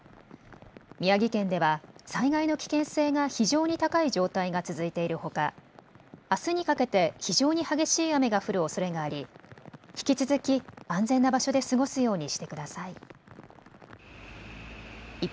宮城県では災害の危険性が非常に高い状態が続いているほかあすにかけて非常に激しい雨が降るおそれがあり引き続き安全な場所で過ごすようにしてください。